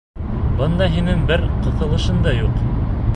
Бында һинең бер ҡыҫылышың да юҡ!